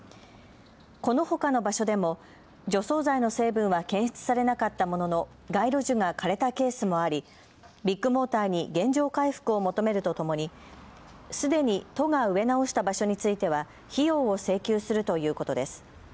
このほかの場所でも除草剤の成分は検出されなかったものの街路樹が枯れたケースもありビッグモーターに原状回復を求めるとともにすでに都が植え直した場所については費用を請求するということです。